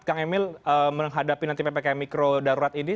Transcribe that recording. kang emil menghadapi nanti ppkm mikrodalurat ini